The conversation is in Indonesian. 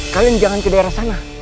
kalian jangan ke daerah sana